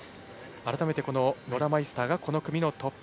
改めてノラ・マイスターがこの組のトップ。